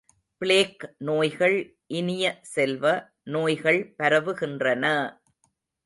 Plague நோய்கள் இனிய செல்வ, நோய்கள் பரவுகின்றன!